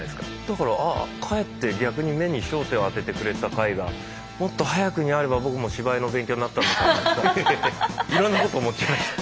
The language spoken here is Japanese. だからあかえって逆に目に焦点を当ててくれた回がもっと早くにあれば僕も芝居の勉強になったのかなとかいろんなこと思っちゃいました。